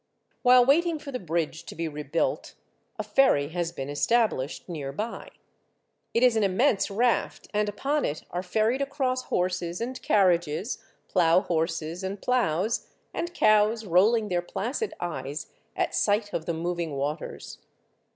While waiting for the bridge to be rebuilt, a ferry has been established near by. It is an im mense raft, and upon it are ferried across horses and carriages, plough horses and ploughs, and cows rolling their placid eyes at sight of the moving waters.